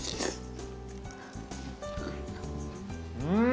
うん！